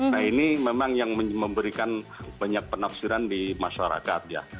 nah ini memang yang memberikan banyak penafsiran di masyarakat ya